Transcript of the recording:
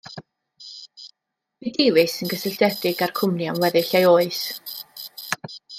Bu Davies yn gysylltiedig â'r cwmni am weddill ei oes.